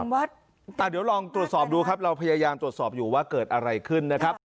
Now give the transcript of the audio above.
วัดเดี๋ยวลองตรวจสอบดูพยายามตรวจสอบอยู่ว่าเกิดอะไรขึ้น